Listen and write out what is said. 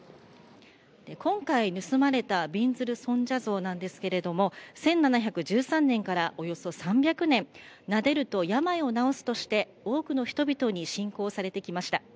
今回、盗まれたびんずる尊者像なんですけれども、１７１３年からおよそ３００年、なでると病を治すとして、多くの人々に信仰されてきました。